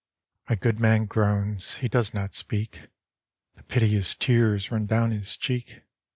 My good man groans ; he does not speak ; The piteous tears run down his cheek.